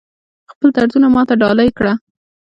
خپل دردونه ماته ډالۍ کړه